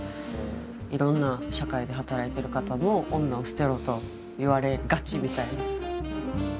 いろんな社会で働いてる方も「女を捨てろ」と言われがちみたいな。